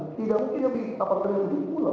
tidak mungkin apatrennya di pulau